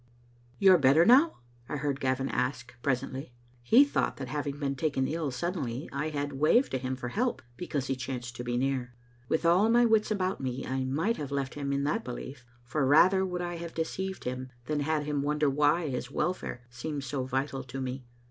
You are better now?" I heard Gavin ask, presently. He thought that having been taken ill suddenly I had waved to him for help because he chanced to be near. With all my wits about me I might have left him in that belief, for rather would I have deceived him than had him wonder why his welfare seemed so vital to me.